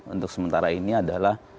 untuk sementara ini adalah